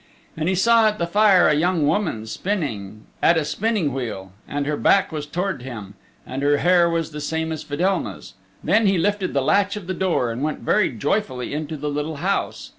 And he saw at the fire a young woman spinning at a spinning wheel, and her back was towards him, and her hair was the same as Fedelma's. Then he lifted the latch of the door and went very joyfully into the little house.